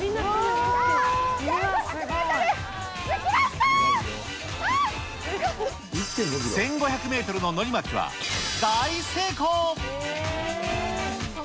さぁ、１５００メートルののり巻きは大成功。